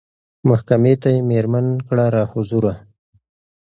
محکمې ته یې مېرمن کړه را حضوره